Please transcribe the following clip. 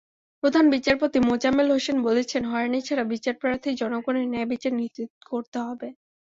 প্রধান বিচারপতি মোজাম্মেল হোসেন বলেছেন, হয়রানি ছাড়া বিচারপ্রার্থী জনগণের ন্যায়বিচার নিশ্চিত করতে হবে।